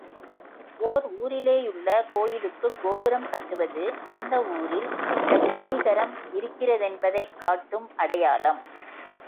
ஒர் ஊரிலேயுள்ள கோயிலுக்குக் கோபுரம் கட்டுவது அந்த ஊரில் லட்சுமீகரம் இருக்கிறதென்பதைக் காட்டும் அடையாளம்.